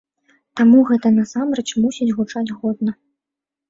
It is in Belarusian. Таму гэта, насамрэч, мусіць гучаць годна.